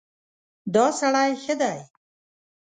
دا سړی ښه دی.